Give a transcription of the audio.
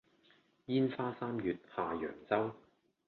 煙花三月下揚州